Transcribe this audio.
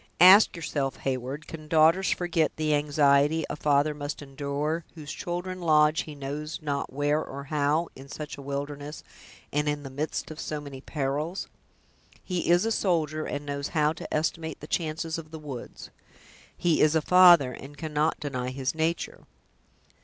Ask yourself, Heyward, can daughters forget the anxiety a father must endure, whose children lodge he knows not where or how, in such a wilderness, and in the midst of so many perils?" "He is a soldier, and knows how to estimate the chances of the woods." "He is a father, and cannot deny his nature."